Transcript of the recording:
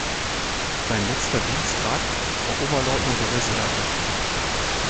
Sein letzter Dienstgrad war Oberleutnant der Reserve.